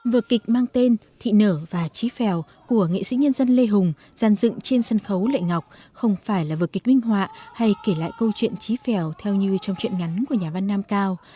vợ kịch mang tên thị nở và trí pheo của nghệ sĩ nhân dân lê hùng dàn dựng trên sân khấu lệ ngọc không phải là vợ kịch minh họa hay kể lại câu chuyện trí pheo theo như trong chuyện ngắn của nhà văn nam cao